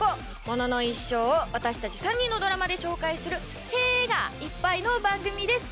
モノの一生を私たち３人のドラマで紹介する「へえ」がいっぱいの番組です！